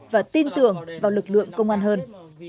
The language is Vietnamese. và tin tưởng vào lực lượng công an hơn